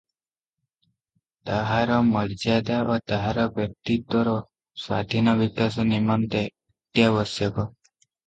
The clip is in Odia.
ତାହାର ମର୍ଯ୍ୟାଦା ଓ ତାହାର ବ୍ୟକ୍ତିତ୍ୱର ସ୍ୱାଧୀନ ବିକାଶ ନିମନ୍ତେ ଅତ୍ୟାବଶ୍ୟକ ।